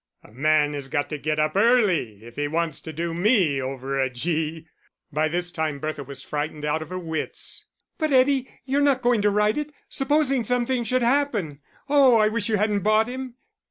A man has got to get up early if he wants to do me over a gee!" By this time Bertha was frightened out of her wits. "But, Eddie, you're not going to ride it supposing something should happen. Oh, I wish you hadn't bought him."